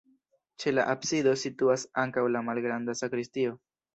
Ĉe la absido situas ankaŭ la malgranda sakristio.